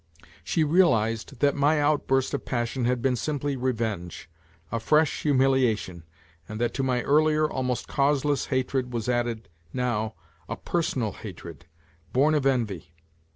She realized that my outburst of passion had been simply revenge, a fresh humilia tion, and that to my earlier, almost causeless hatred was added now a personal haired, born of envy.